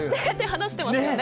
話してましたね。